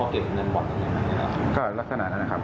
เขาเก็บเงินบอร์ดอย่างไรนะครับ